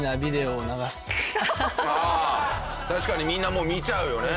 確かにみんなもう見ちゃうよね。